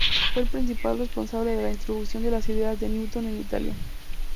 Fue el principal responsable de la introducción de las ideas de Newton en Italia.